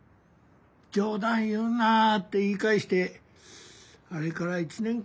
「冗談言うな！」って言い返してあれから１年か。